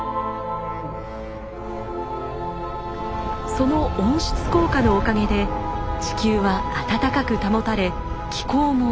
その温室効果のおかげで地球は温かく保たれ気候も安定していた。